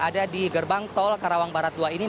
ada di gerbang tol karawang barat dua ini